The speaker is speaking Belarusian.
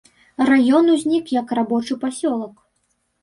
Раён узнік як рабочы пасёлак.